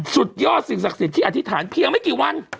สุดยอดสิ่งศักดิ์สิทธิ์ที่อธิษฐานเพียงไม่กี่วัน